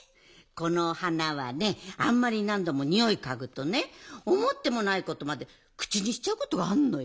このお花はねあんまりなんどもにおいかぐとねおもってもないことまでくちにしちゃうことがあるのよ。